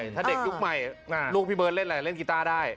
ถ้าเด็กยุคใหม่ลูกพี่เบิร์ตเล่นอะไรเล่นกีต้าได้